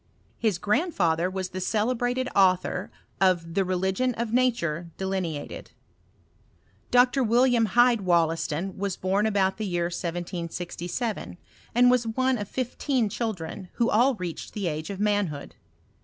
His grandfather was the celebrated author of the Religion of Nature delineated. Dr. William Hyde WoUaston was bom about the year 1767, and was one of fifteen children, who aU reached the age of manhood.